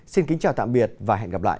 xin kính chào tạm biệt và hẹn gặp lại